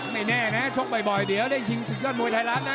ไม่แน่นะชกบ่อยเดี๋ยวได้ชิงศึกยอดมวยไทยรัฐนะ